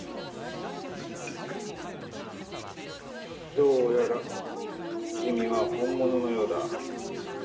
どうやら君は本物のようだ。